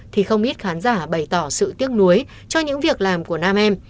thì không ít khán giả bày tỏ sự tiếc nuối cho những việc làm của nam em